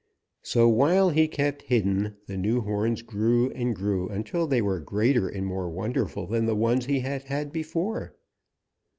So while he kept hidden, the new horns grew and grew until they were greater and more wonderful than the ones he had had before.